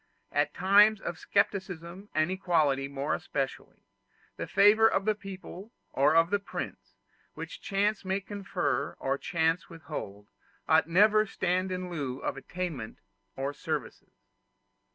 At times of scepticism and equality more especially, the favor of the people or of the prince, which chance may confer or chance withhold, ought never to stand in lieu of attainments or services.